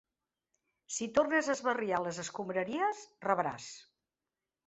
Si tornes a esbarriar les escombraries, rebràs.